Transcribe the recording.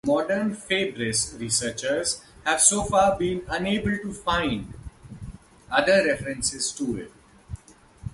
Modern Fabris researchers have so far been unable to find other references to it.